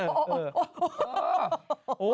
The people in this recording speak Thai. เออ